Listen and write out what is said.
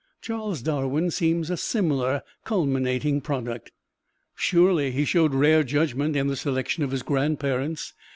Charles Darwin seems a similar culminating product. Surely he showed rare judgment in the selection of his grandparents.